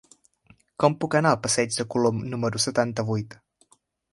Com puc anar al passeig de Colom número setanta-vuit?